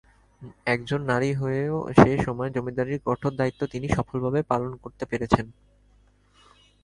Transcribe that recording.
তাই একজন নারী হয়েও সে সময়ে জমিদারির কঠোর দায়িত্ব তিনি সফলভাবে পালন করতে পেরেছেন।